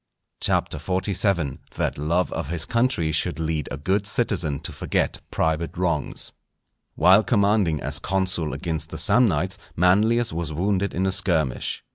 CHAPTER XLVII.—That love of his Country should lead a good Citizen to forget private Wrongs. While commanding as consul against the Samnites, Manlius was wounded in a skirmish.